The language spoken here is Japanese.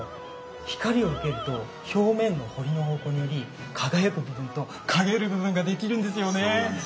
光を受けると表面の彫りの方向により輝く部分と陰る部分ができるんですよね！